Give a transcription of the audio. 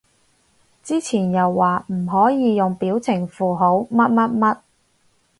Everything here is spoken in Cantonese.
之前又話唔可以用表情符號乜乜乜